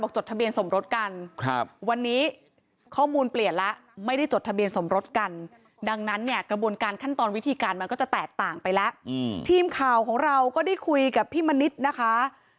จดทะเบียนสมรสกันครับวันนี้ข้อมูลเปลี่ยนแล้วไม่ได้จดทะเบียนสมรสกันดังนั้นเนี่ยกระบวนการขั้นตอนวิธีการมันก็จะแตกต่างไปแล้วทีมข่าวของเราก็ได้คุยกับพี่มณิษฐ์นะคะ